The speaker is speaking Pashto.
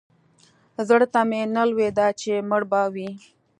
زړه ته مې نه لوېده چې مړ به وي.